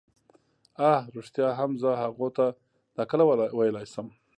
اه ریښتیا هم زه هغو ته دا کله ویلای شم.